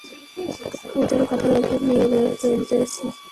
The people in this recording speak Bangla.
ওদের কথায় ওকে মেরে ফেলেছি।